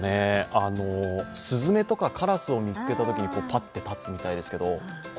すずめとかカラスを見つけたときにパッと立つみたいですが。